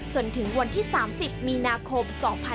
จนถึงวันที่๓๐มีนาคม๒๕๖๒